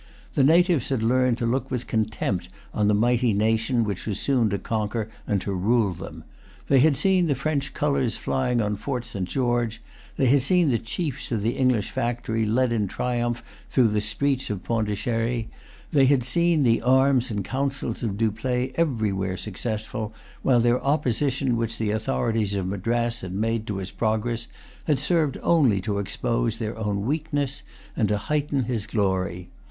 The natives had learned to look with contempt on the mighty nation which was soon to conquer and to rule them. They had seen the French colours flying on Fort St. George; they had seen the chiefs of the English factory led in triumph through the streets of Pondicherry; they had seen the arms and counsels of Dupleix everywhere successful, while the opposition which the authorities of Madras had made to his progress, had served only to expose their own weakness, and to heighten his glory.